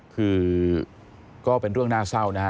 คือก็เป็นเรื่องน่าเศร้านะฮะ